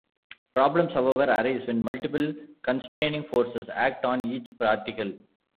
Problems, however, arise when multiple constraining forces act on each particle.